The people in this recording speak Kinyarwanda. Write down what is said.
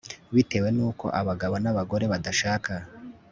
bitewe nuko abagabo nabagore badashaka